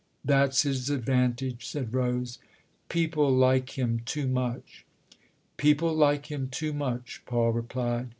" That's his advantage," said Rose. " People like him too much." " People like him too much," Paul replied.